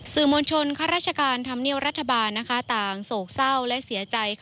สื่อมวลชนข้าราชการธรรมเนียบรัฐบาลต่างโศกเศร้าและเสียใจ